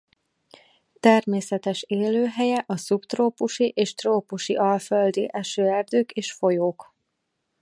Természetes élőhelye a szubtrópusi és trópusi alföldi esőerdők és folyók.